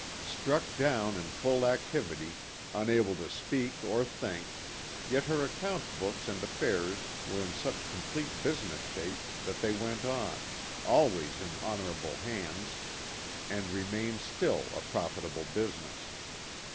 Struck down in full activity, unable to speak or think, yet her account books and affairs were in such complete business shape that they went on always in honorable hands and remain still a profitable business.